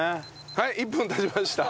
はい１分経ちました。